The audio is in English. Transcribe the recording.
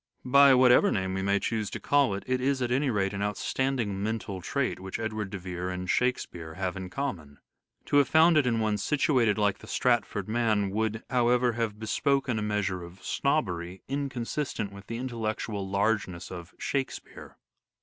By whatever name we may choose to call it, it is at any rate an outstanding mental trait which Edward de Vere and " Shakespeare" have in common. To have found it in one situated like the Stratford man would, however, have bespoken a measure of " snobbery " inconsistent with the intellectual largeness of " Shakespeare."